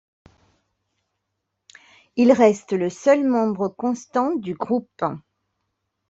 Il reste le seul membre constant du groupe.